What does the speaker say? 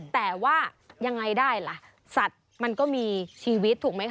แต่ว่ายังไงได้ล่ะสัตว์มันก็มีชีวิตถูกไหมค